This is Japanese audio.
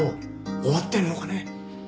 終わってるのかね？